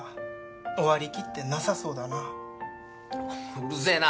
うるせえな！